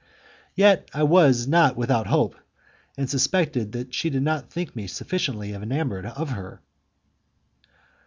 Yet I was not without hope, and suspected that she did not think me sufficiently enamoured of her.